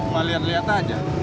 mau liat liat aja